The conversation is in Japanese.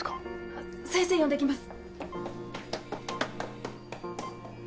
あっ先生呼んできます。